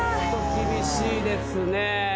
厳しいですね。